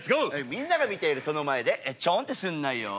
みんなが見ているその前でちょんってすんなよ